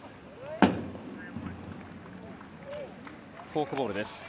フォークボールです。